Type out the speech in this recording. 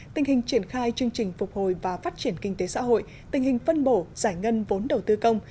tình hình triển khai chương trình phục hồi và phát triển kinh tế xã hội tình hình phân bổ giải ngân vốn đầu tư công